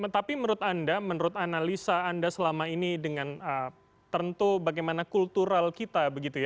tapi menurut anda menurut analisa anda selama ini dengan tentu bagaimana kultural kita